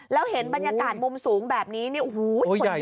แล้วเห็นบรรยากาศมุมสูงแบบนี้นี่โอ้โหคนเยอะ